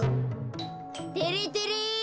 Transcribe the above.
てれてれ！